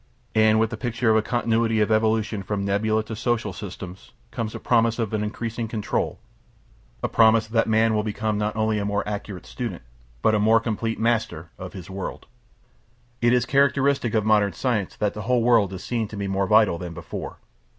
And with the picture of a continuity of evolution from nebula to social systems comes a promise of an increasing control a promise that Man will become not only a more accurate student, but a more complete master of his world. It is characteristic of modern science that the whole world is seen to be more vital than before.